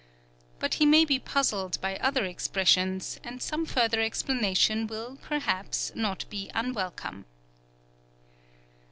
But he may be puzzled by other expressions; and some further explanation will, perhaps, not be unwelcome.